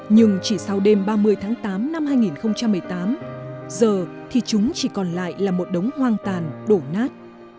nhưng chỉ sau đêm ba mươi tháng tám năm hai nghìn một mươi tám giờ thì chúng chỉ còn lại là một đống hoang tàn đổ nát